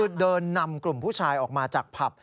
คือเดินนำกลุ่มผู้ชายออกมาจากผับ